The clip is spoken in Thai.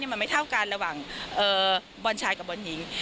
มันไม่เท่ากันระหว่างบอลชายกับบอลหญิง